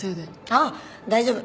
ああ大丈夫。